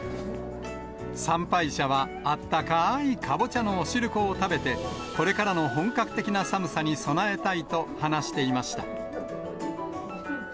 参拝者は、あったかいかぼちゃのお汁粉を食べて、これからの本格的な寒さに備えたいと話していました。